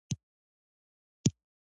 پرون په دښته کې ټکه لوېدلې وه.